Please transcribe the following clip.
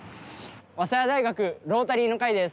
早稲田大学ロータリーの会です。